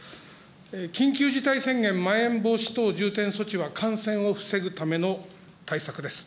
緊急事態宣言、まん延防止等重点措置は感染を防ぐための対策です。